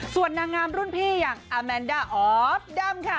ส่วนนางงามรุ่นพี่อย่างอาแมนด้าออฟดัมค่ะ